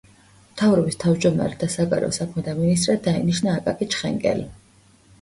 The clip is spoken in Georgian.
მთავრობის თავმჯდომარედ და საგარეო საქმეთა მინისტრად დაინიშნა აკაკი ჩხენკელი.